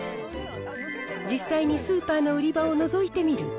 実際にスーパーの売り場をのぞいてみると。